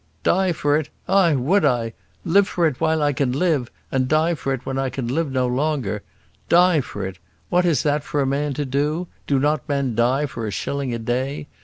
"Die for it? Aye, would I. Live for it while I can live; and die for it when I can live no longer. Die for it! What is that for a man to do? Do not men die for a shilling a day?